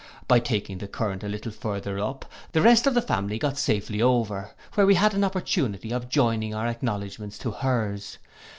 By taking the current a little farther up, the rest of the family got safely over; where we had an opportunity of joining our acknowledgments to her's.